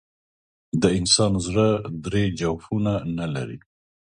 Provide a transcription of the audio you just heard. د انسان زړه درې جوفونه نه لري.